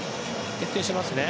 徹底してますね。